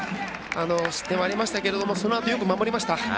失点はありましたがそのあとよく守りました。